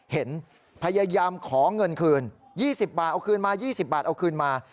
เห็นพยายามขอเงินคืน๒๐บาทเอาคืนมา